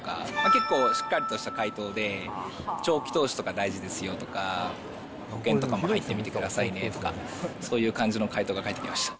結構、しっかりとした回答で、長期投資とか大事ですよとか、保険とかも入ってみてくださいねとか、そういう感じの回答が返ってきました。